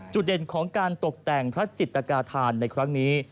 เด่นของการตกแต่งพระจิตกาธานในครั้งนี้